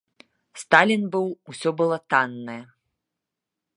Сталін быў, усё было таннае.